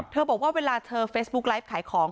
เธอบอกว่าเวลาเฟสบุ๊คไลฟ์ขายของ